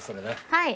はい。